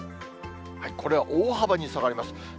これは大幅に下がります。